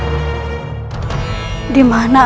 ayo kita yang mencari